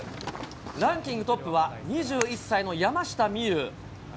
ランキングトップは、２１歳の山下みゆう。